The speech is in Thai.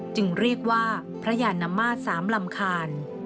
จึงเรียกว่าพระยานมาตร๓ลำคาญ